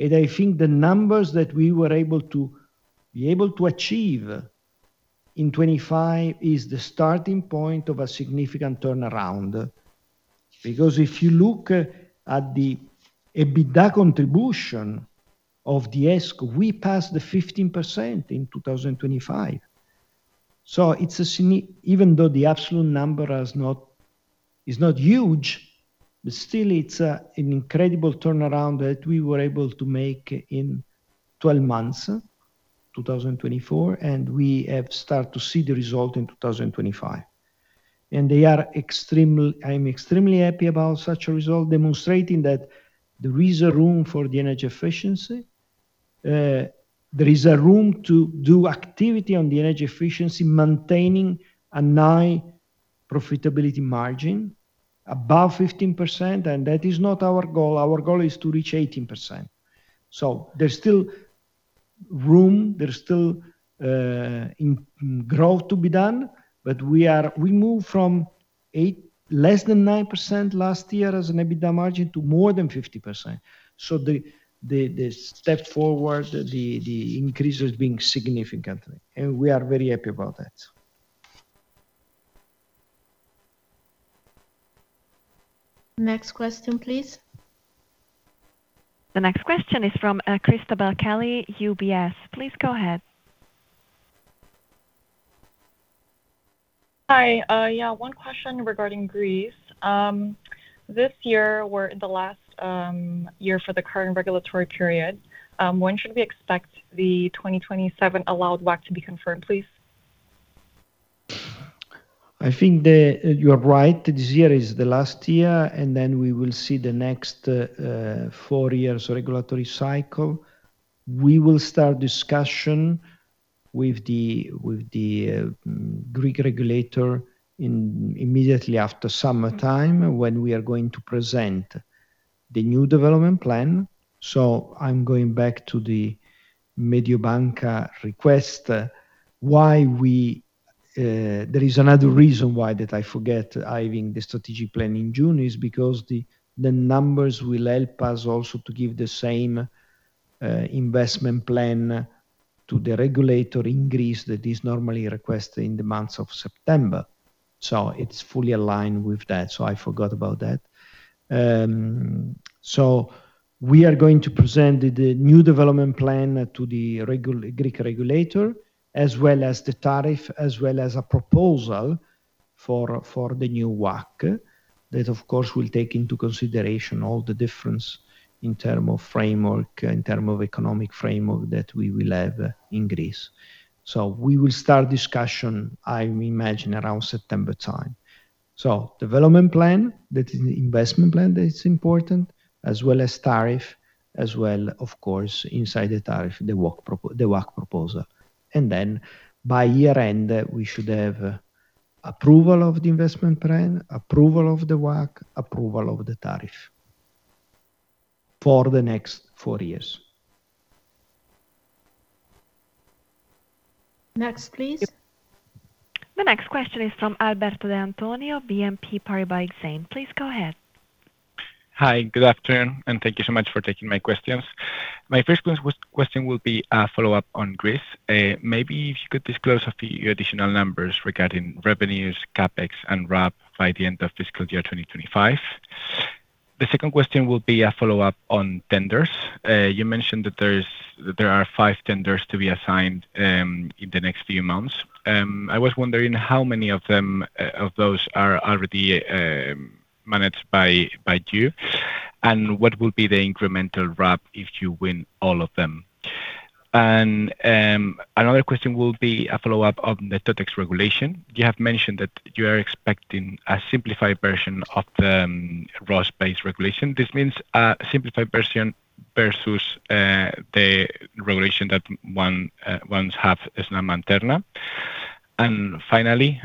I think the numbers that we were able to achieve in 2025 is the starting point of a significant turnaround. If you look at the EBITDA contribution of the ESCO, we passed the 15% in 2025. It's even though the absolute number has not, is not huge, but still it's an incredible turnaround that we were able to make in 12 months, 2024, and we have started to see the result in 2025. I'm extremely happy about such a result, demonstrating that there is a room for the energy efficiency. There is a room to do activity on the energy efficiency, maintaining a high profitability margin, above 15%, and that is not our goal. Our goal is to reach 18%. There's still room, there's still growth to be done, but we moved from 8%, less than 9% last year as an EBITDA margin to more than 50%. The step forward, the increase has been significantly, and we are very happy about that. Next question, please. The next question is from, Christabel Kelly, UBS. Please go ahead. Hi. Yeah, one question regarding Greece. This year, we're in the last year for the current regulatory period. When should we expect the 2027 allowed WACC to be confirmed, please? I think. You are right. This year is the last year. We will see the next four years regulatory cycle. We will start discussion with the Greek regulator immediately after summertime when we are going to present the new development plan. I'm going back to the Mediobanca request. Why we, there is another reason why that I forget having the strategic plan in June is because the numbers will help us also to give the same investment plan to the regulator in Greece that is normally requested in the months of September. It's fully aligned with that. I forgot about that. We are going to present the new development plan to the Greek regulator as well as the tariff, as well as a proposal for the new WACC. That, of course, will take into consideration all the difference in term of framework, in term of economic framework that we will have in Greece. We will start discussion, I imagine, around September time. Development plan, that is the investment plan that is important, as well as tariff, as well, of course, inside the tariff, the WACC proposal. By year-end, we should have approval of the investment plan, approval of the WACC, approval of the tariff for the next four years. Next, please. The next question is from Alberto de Antonio, BNP Paribas Exane. Please go ahead. Hi, good afternoon, thank you so much for taking my questions. My first question will be a follow-up on Greece. Maybe if you could disclose a few additional numbers regarding revenues, CapEx and RAB by the end of fiscal year 2025. The second question will be a follow-up on tenders. You mentioned that there are five tenders to be assigned in the next few months. I was wondering how many of them of those are already managed by you? What will be the incremental RAB if you win all of them? Another question will be a follow-up on the TOTEX regulation. You have mentioned that you are expecting a simplified version of the ROSS-based regulation. This means a simplified version versus the regulation that ones have as Snam and Terna. Finally,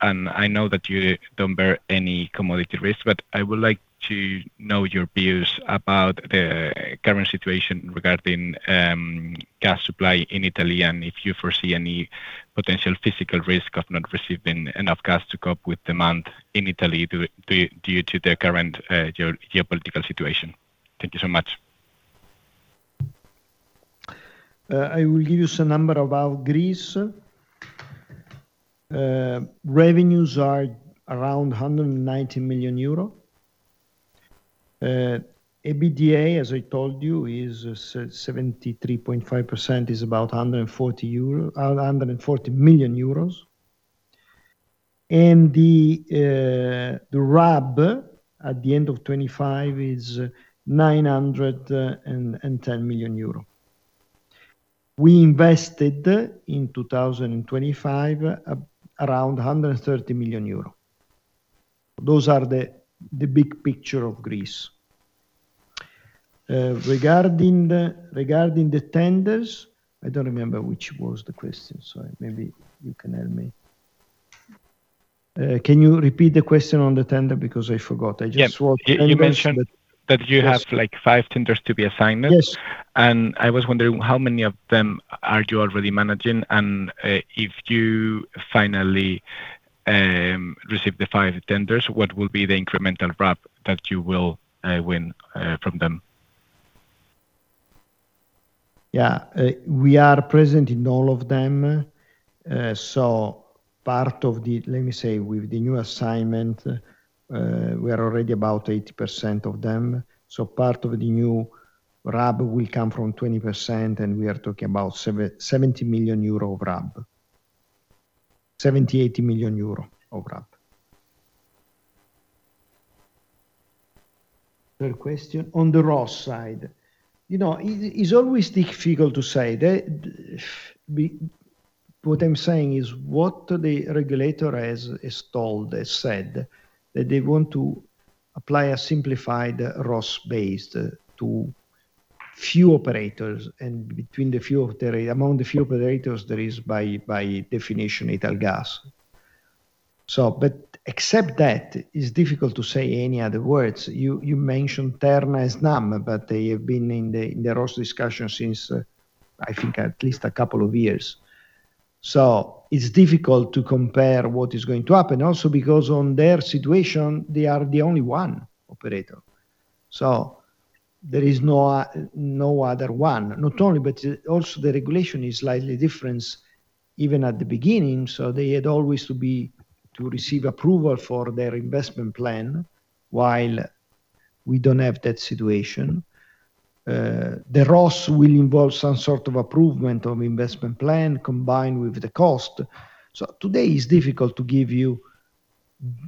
and I know that you don't bear any commodity risk, but I would like to know your views about the current situation regarding, gas supply in Italy and if you foresee any potential physical risk of not receiving enough gas to cope with demand in Italy due to the current geopolitical situation. Thank you so much. I will give you some number about Greece. Revenues are around EUR 190 million. EBITDA, as I told you, is 73.5%, is about EUR 140 million. The RAB at the end of 2025 is 910 million euro. We invested in 2025 around 130 million euro. Those are the big picture of Greece. Regarding the tenders, I don't remember which was the question, so maybe you can help me. Can you repeat the question on the tender? I forgot. I just saw tenders, but- Yeah. You mentioned that you have, like, five tenders to be assigned. Yes. I was wondering how many of them are you already managing, and if you finally receive the five tenders, what will be the incremental RAB that you will win from them? Yeah. We are present in all of them. part of the... Let me say with the new assignment, we are already about 80% of them. Part of the new RAB will come from 20%, and we are talking about 70 million euro of RAB. 70 million euro, 80 million euro of RAB. Third question, on the ROSS side. You know, it's always difficult to say. What I'm saying is what the regulator has said, that they want to apply a simplified ROSS base to few operators. Between the few among the few operators there is by definition Italgas. Except that, it's difficult to say any other words. You mentioned Terna and Snam, but they have been in the ROSS discussion since, I think at least a couple of years. It's difficult to compare what is going to happen also because on their situation, they are the only one operator. There is no other one. Not only, but also the regulation is slightly different even at the beginning, so they had always to be, to receive approval for their investment plan while we don't have that situation. The ROSS will involve some sort of approval of investment plan combined with the cost. Today it's difficult to give you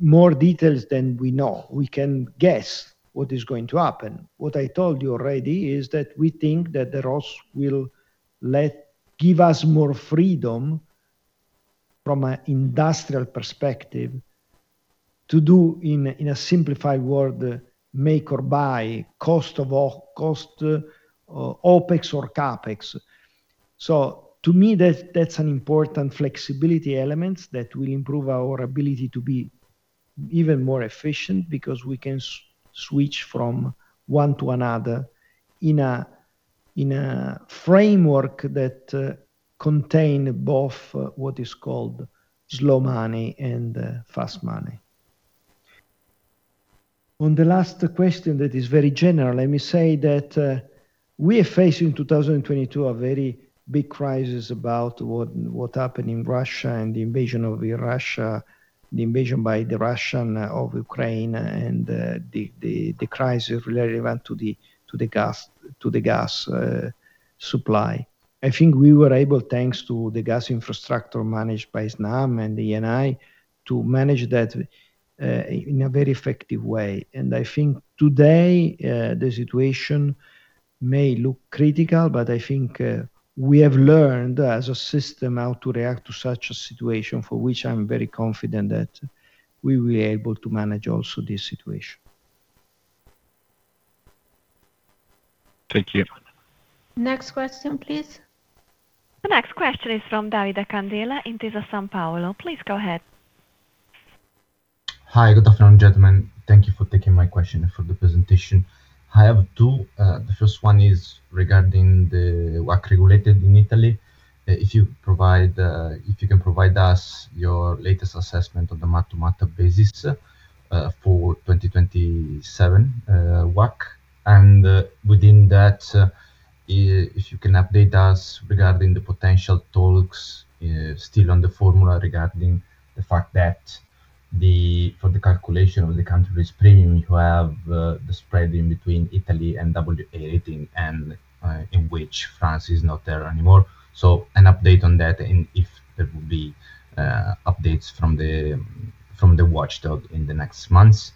more details than we know. We can guess what is going to happen. What I told you already is that we think that the ROS will give us more freedom from an industrial perspective to do, in a, in a simplified word, make or buy, cost, OpEx or CapEx. To me, that's an important flexibility elements that will improve our ability to be even more efficient because we can switch from one to another in a framework that contain both what is called slow money and fast money. The last question that is very general, let me say that we are facing in 2022 a very big crisis about what happened in Russia and the invasion of Russia, the invasion by the Russian of Ukraine and the crisis related event to the gas supply. I think we were able, thanks to the gas infrastructure managed by Snam and Eni, to manage that in a very effective way. I think today, the situation may look critical, but I think, we have learned as a system how to react to such a situation for which I'm very confident that we will be able to manage also this situation. Thank you. Next question, please. The next question is from Davide Candela, Intesa Sanpaolo. Please go ahead. Hi, good afternoon, gentlemen. Thank you for taking my question and for the presentation. I have two. The first one is regarding the WACC regulated in Italy. If you provide, if you can provide us your latest assessment of the mark-to-market basis for 2027 WACC. Within that, if you can update us regarding the potential talks still on the formula regarding the fact that for the calculation of the country's premium, you have the spread in between Italy and AA rating and in which France is not there anymore. An update on that and if there will be updates from the watchdog in the next months.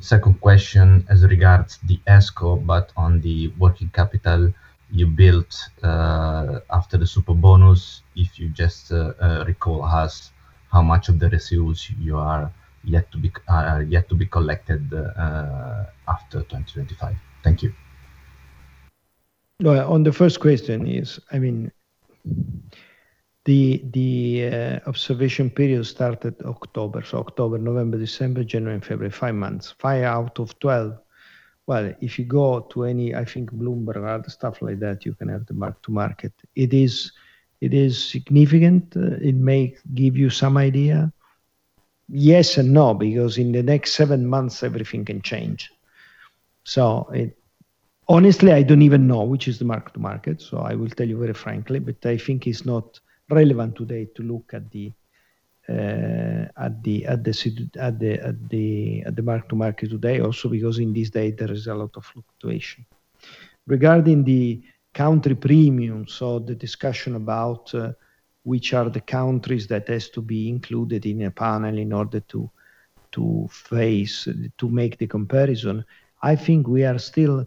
Second question as regards the ESCO, but on the working capital you built after the Superbonus. If you just, recall us how much of the receipts you are yet to be collected, after 2025. Thank you. On the first question is, I mean, the observation period started October. October, November, December, January, and February, five months. Five out of 12. Well, if you go to any, I think, Bloomberg or other stuff like that, you can have the mark to market. It is significant. It may give you some idea. Yes and no, because in the next seven months, everything can change. Honestly, I don't even know which is the mark to market, I will tell you very frankly. I think it's not relevant today to look at the mark to market today also because in this day there is a lot of fluctuation. Regarding the country premium, the discussion about which are the countries that has to be included in a panel in order to make the comparison, I think we are still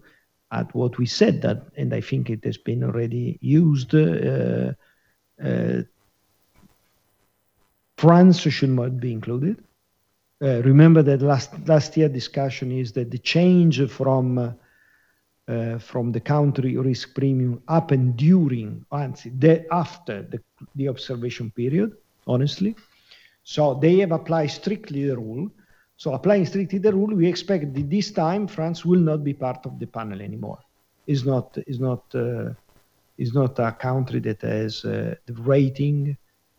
at what we said that, and I think it has been already used, France should not be included. Remember that last year discussion is that the change from the country risk premium happened during France, after the observation period, honestly. They have applied strictly the rule. Applying strictly the rule, we expect that this time France will not be part of the panel anymore. It's not a country that has the rating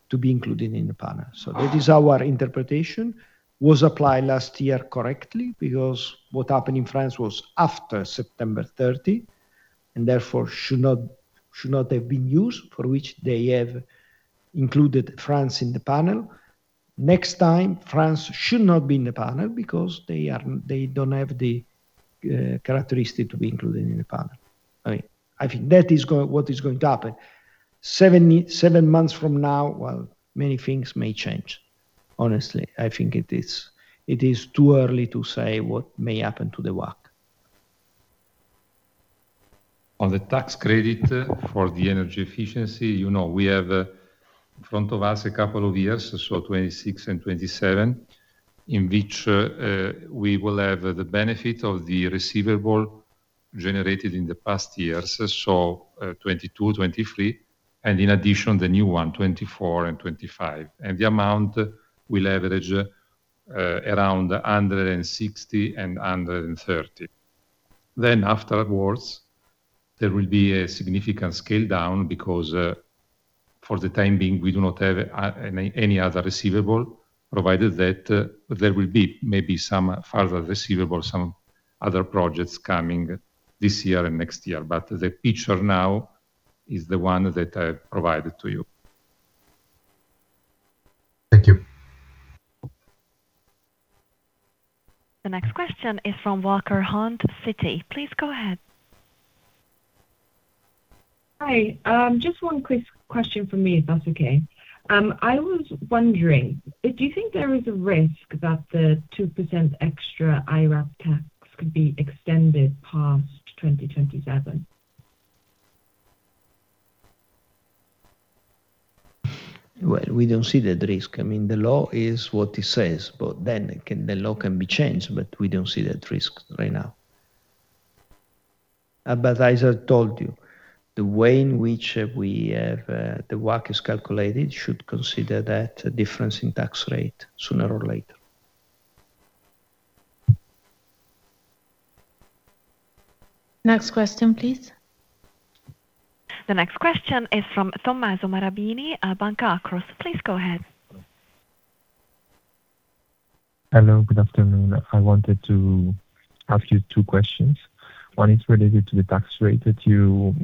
to be included in the panel. That is our interpretation. Was applied last year correctly because what happened in France was after September 30, and therefore should not have been used, for which they have included France in the panel. Next time, France should not be in the panel because they don't have the characteristic to be included in the panel. I mean, I think that is what is going to happen. Seven months from now, well, many things may change. Honestly, I think it is too early to say what may happen to the WACC. On the tax credit for the energy efficiency, you know, we have in front of us a couple of years. 2026 and 2027, in which we will have the benefit of the receivable generated in the past years. 2022, 2023, and in addition, the new one, 2024 and 2025. The amount will average around 160 million and 130 million. Afterwards, there will be a significant scale down because for the time being, we do not have any other receivable, provided that there will be maybe some further receivable, some other projects coming this year and next year. The picture now is the one that I provided to you. The next question is from Ella Walker-Hunt Citi. Please go ahead. Hi. Just one quick question from me, if that's okay. I was wondering, do you think there is a risk that the 2% extra IRAP tax could be extended past 2027? Well, we don't see that risk. I mean, the law is what it says. The law can be changed, but we don't see that risk right now. As I told you, the way in which we have, the work is calculated should consider that difference in tax rate sooner or later. Next question, please. The next question is from Tommaso Marabini at Banca Akros. Please go ahead. Hello, good afternoon. I wanted to ask you two questions. One is related to the tax rate that you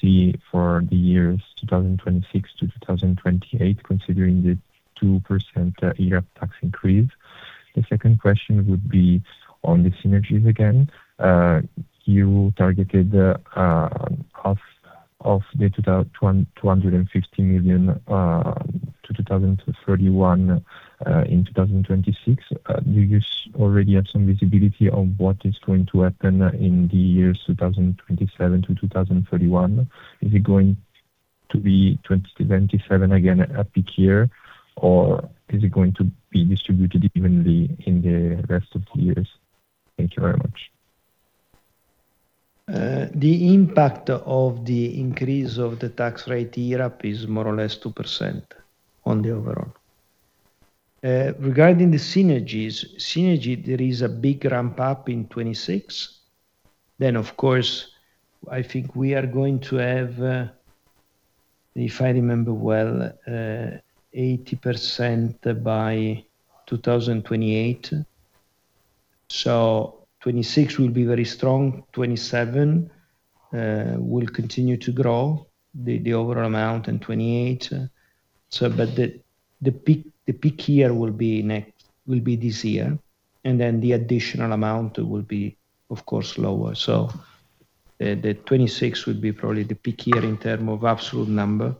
see for the years 2026 to 2028, considering the 2% IRAP tax increase. The second question would be on the synergies again. You targeted the half of the 250 million to 2031 in 2026. Do you already have some visibility on what is going to happen in the years 2027 to 2031? Is it going to be 2027 again a peak year, or is it going to be distributed evenly in the rest of the years? Thank you very much. The impact of the increase of the tax rate IRAP is more or less 2% on the overall. Regarding the synergy, there is a big ramp-up in 2026. Of course, I think we are going to have, if I remember well, 80% by 2028. 2026 will be very strong. 2027 will continue to grow the overall amount in 2028. The peak year will be this year, and then the additional amount will be, of course, lower. The 2026 would be probably the peak year in term of absolute number.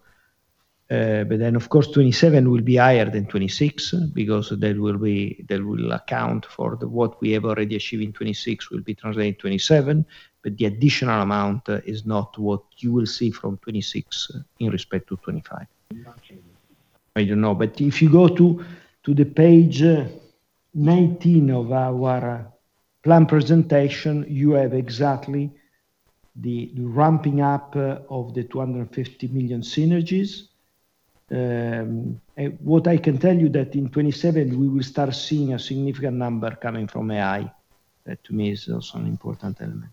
Of course, 2027 will be higher than 2026 because that will be that will account for the work we have already achieved in 2026 will be translated in 2027, but the additional amount is not what you will see from 2026 in respect to 2025. I don't know. If you go to page 19 of our plan presentation, you have exactly the ramping up of the 250 million synergies. What I can tell you that in 2027 we will start seeing a significant number coming from AI. That to me is also an important element.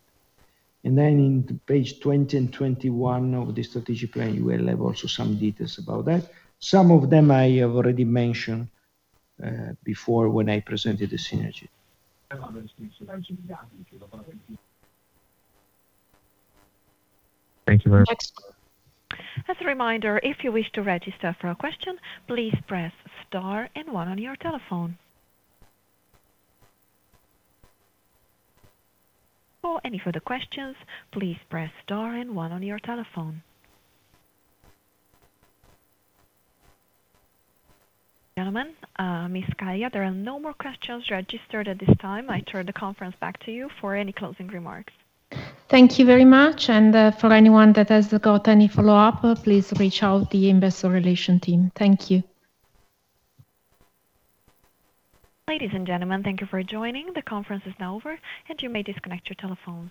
In page 20 and 21 of the strategic plan, you will have also some details about that. Some of them I have already mentioned before when I presented the synergy. Thank you very much. As a reminder, if you wish to register for a question, please press star and one on your telephone. For any further questions, please press star and one on your telephone. Gentlemen, Ms. Scaglia, there are no more questions registered at this time. I turn the conference back to you for any closing remarks. Thank you very much. For anyone that has got any follow-up, please reach out the Investor Relations team. Thank you. Ladies and gentlemen, thank you for joining. The conference is now over, and you may disconnect your telephones.